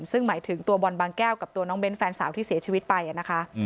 ซึ่งหมายถึงตัวบอลบางแก้วกับตัวน้องเน้นแฟนสาวที่เสียชีวิตไปนะคะ